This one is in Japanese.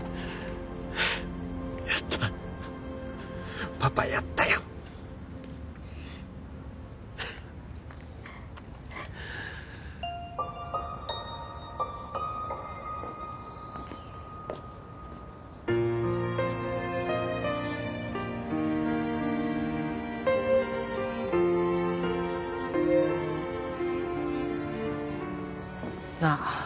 やったパパやったよなあ